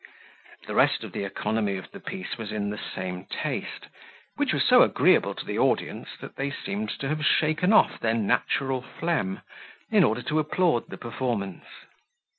The rest of the economy of the piece was in the same taste; which was so agreeable to the audience, that they seemed to have shaken off their natural phlegm, in order to applaud the performance.